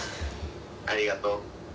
ありがとう。